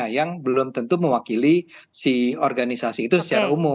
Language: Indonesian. yang belum tentu mewakili si organisasi itu secara umum